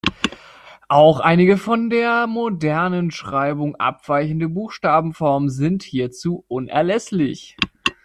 Auch einige von der modernen Schreibung abweichende Buchstabenformen sind hierzu unerlässlich.